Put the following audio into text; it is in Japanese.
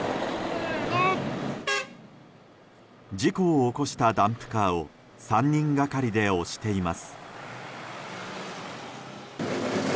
事故を起こしたダンプカーを３人がかりで押しています。